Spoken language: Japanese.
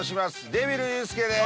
デビルユースケです。